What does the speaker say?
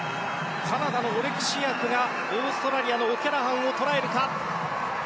カナダのオレクシアクがオーストラリアのオキャラハンを捉えるか。